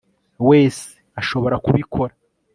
wese ashobora kubikora